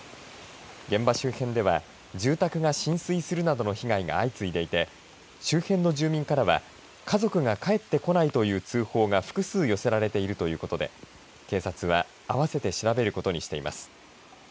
現場周辺では住宅が浸水するなどの被害が相次いでいて周辺の住民からは家族が帰ってこないという通報が複数寄せられているということで警察は併せて調べることにしています。